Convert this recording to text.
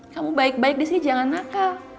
kamu baik baik disini jangan nakal